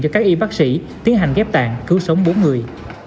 cho các y bác sĩ tiến hành ghép tạng cứu sống bốn người